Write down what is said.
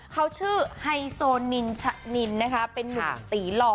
เขาชื่อไฮโซนินชะนินนะคะเป็นนุ่มตีหล่อ